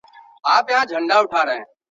پاک خلک هیڅکله کمزوري مخلوق ته زیان نه رسوي.